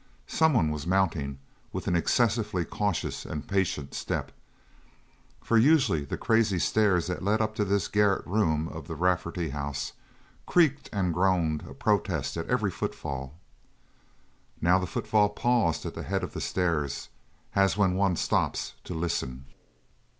Someone was mounting with an excessively cautious and patient step, for usually the crazy stairs that led up to this garret room of the Rafferty house creaked and groaned a protest at every footfall. Now the footfall paused at the head of the stairs, as when one stops to listen.